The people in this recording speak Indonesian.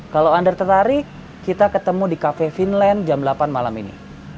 kalau under tertarik kita ketemu di cafe finland jam delapan malam ini